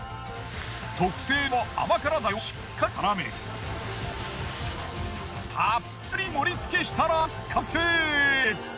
特製の甘辛ダレをしっかり絡めたっぷり盛り付けしたら完成。